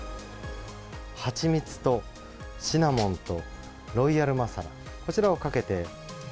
蜂蜜とシナモンとロイヤルマサラ、こちらをかけて。